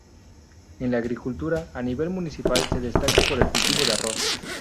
En la agricultura, a nivel municipal se destaca por el cultivo de arroz.